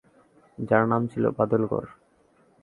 যার নাম ছিল বাদলগড়।